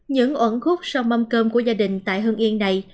những ẩn khúc sau mâm cơm của gia đình tại hương yên này